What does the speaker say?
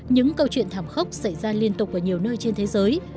những câu chuyện thảm khốc xảy ra liên tục ở nhiều nơi trên thế giới